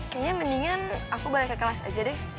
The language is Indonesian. kayaknya mendingan aku balik ke kelas aja deh